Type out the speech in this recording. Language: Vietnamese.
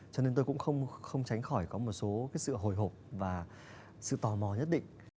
cho nên tôi cũng không tránh khỏi có một số sự hồi hộp và sự tò mò nhất định